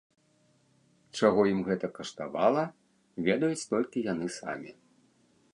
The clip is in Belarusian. Чаго ім гэта каштавала, ведаюць толькі яны самі.